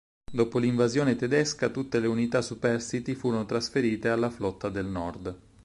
Dopo l'invasione tedesca, tutte le unità superstiti furono trasferite alla Flotta del Nord.